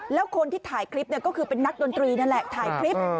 แล้วคนที่ถ่ายคลิปเนี่ยก็คือเป็นนักดนตรีนั่นแหละถ่ายคลิป